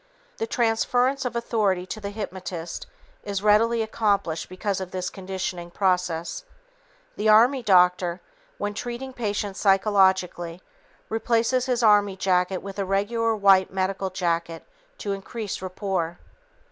The transference of authority to the hypnotist is readily accomplished because of this conditioning process. The army doctor, when treating patients psychologically, replaces his army jacket with a regular white medical jacket to increase rapport.